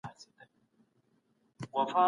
موږ کولای سو چي خپل ژوند په سافټویر سره ښه کړو.